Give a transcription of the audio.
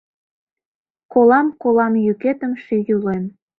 Колам, колам йӱкетым, ший Юлем!